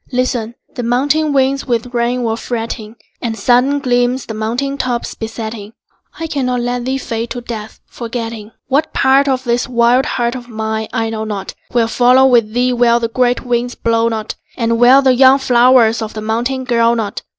Listen: the mountain winds with rain were fretting, And sudden gleams the mountain tops besetting. I cannot let thee fade to death, forgetting. What part of this wild heart of mine I know not Will follow with thee where the great winds blow not, And where the young flowers of the mountain grow not.